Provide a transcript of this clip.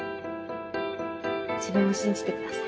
自分を信じてください。